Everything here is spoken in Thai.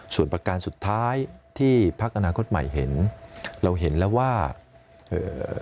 ส่วนประการสุดท้ายที่พักอนาคตใหม่เห็นเราเห็นแล้วว่าเอ่อ